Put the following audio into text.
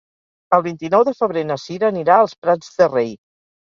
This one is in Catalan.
El vint-i-nou de febrer na Cira anirà als Prats de Rei.